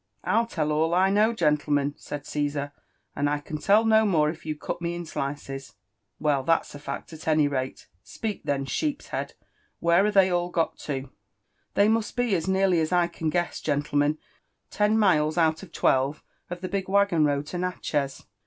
. "I'll tell all I know, gentlemen," said Caesar; " and I can tell no more if you cut me in slices." '' Well ! that's a fact at any rate. Speak then, sheep's head, — where aretheyallgot to?" '' They must be, as nearly as I can guess, gentlemen, ten miles out of twelve of the big waggon road to Natchez.